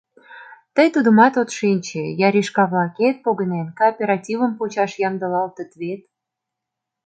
Тый тудымат от шинче: яришка-влакет, погынен, кооперативым почаш ямдылалтыт вет.